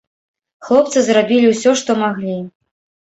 Хлопцы зрабілі ўсё, што маглі.